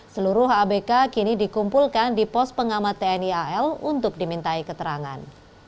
seluruh abk kini dikumpulkan di pos pengamat tni al untuk dimintai keterangan